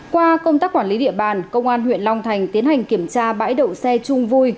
qua công tác quản lý địa bàn công an huyện long thành tiến hành kiểm tra bãi đậu xe trung vui